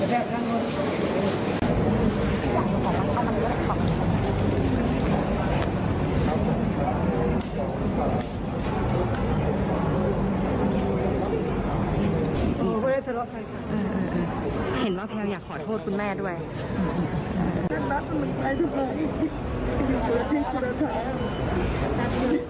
เห็นล่ะแท้อย่างขอโทษคุณแม่ด้วยค่ะ